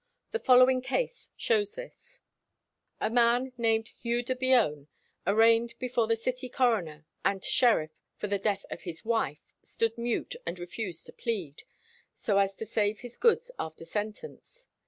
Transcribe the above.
The following case shows this: A man named Hugh de Beone, arraigned before the city coroner and sheriff for the death of his wife, stood mute, and refused to plead, so as to save his goods after sentence.